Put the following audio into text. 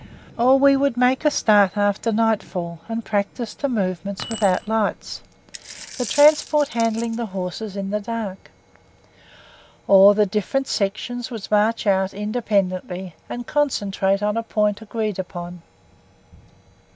Or we would make a start after nightfall and practise the movements without lights; the transport handling the horses in the dark. Or the different sections would march out independently, and concentrate on a point agreed upon.